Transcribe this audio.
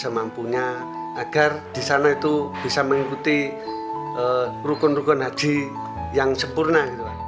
semampunya agar di sana itu bisa mengikuti rukun rukun haji yang sempurna